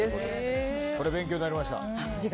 勉強になりました。